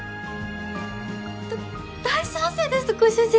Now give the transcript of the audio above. だ大賛成ですご主人！